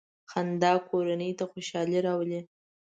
• خندا کورنۍ ته خوشحالي راولي.